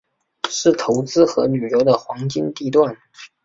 是投资和旅游的黄金地段。